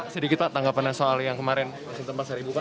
sedikit pak tanggapan soal yang kemarin masinton pasar ibu